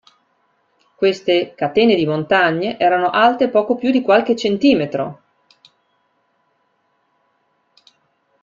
Queste "catene di montagne" erano alte poco più di qualche centimetro!